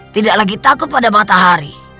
tidak lagi takut pada matahari